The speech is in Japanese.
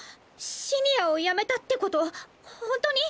シニアをやめたってこと⁉ほんとに？